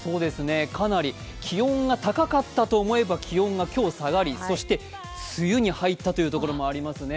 かなり気温が高かったと思えば気温が今日下がり、そして梅雨に入ったというところもありますね。